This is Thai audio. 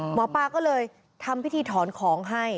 หมอปลาก็เลยทำพิธีถอนของให้